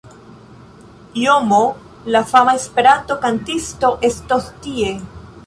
JoMo la fama Esperanto-kantisto estos tie